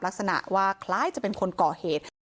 ลักษณะว่าคล้ายจะเป็นคนก่อเหตุ